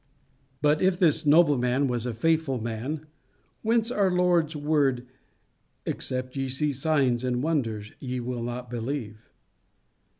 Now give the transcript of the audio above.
But if this nobleman was a faithful man, whence our Lord's word, "Except ye see signs and wonders ye will not believe"?